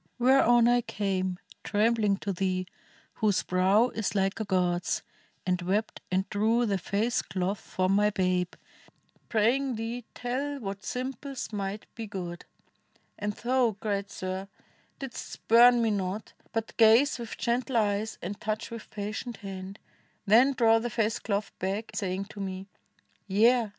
Whereon I came Trembling to thee, whose brow is like a god's, And wept and drew the face cloth from my babe, Praying thee tell what simples might be good. And thou, great sir! didst spurn me not, but gaze 39 INDIA With gentle eyes and touch ^dth patient hand; Then draw the face cloth back, sa}dng to me, 'Yea!